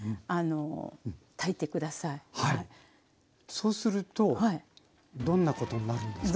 そうするとどんなことになるんですか？